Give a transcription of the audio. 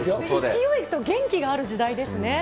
勢いと元気がある時代ですね。